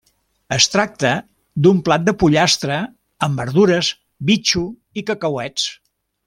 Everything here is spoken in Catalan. Es tracta d'un plat de pollastre amb verdures, bitxo i cacauets.